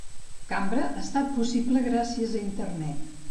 Cambra ha estat possible gràcies a Internet.